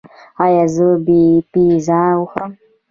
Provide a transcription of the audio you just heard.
ایا زه پیزا وخورم؟